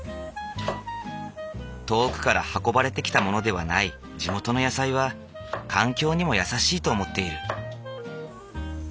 遠くから運ばれてきたものではない地元の野菜は環境にも優しいと思っている。